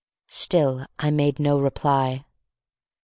Still I made no reply.